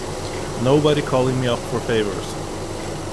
Nobody calling me up for favors.